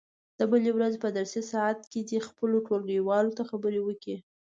د بلې ورځې په درسي ساعت کې دې خپلو ټولګیوالو ته خبرې وکړي.